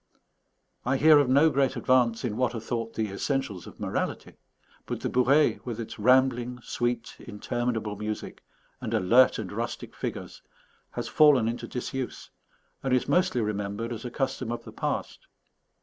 I hear of no great advance in what are thought the essentials of morality; but the bourrée, with its rambling, sweet, interminable music, and alert and rustic figures, has fallen into disuse, and is mostly remembered as a custom of the past.